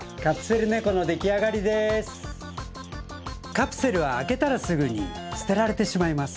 カプセルはあけたらすぐにすてられてしまいます。